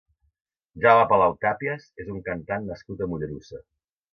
Jaume Palau Tapies és un cantant nascut a Mollerussa.